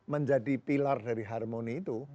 menjadi pilar dari harmoni itu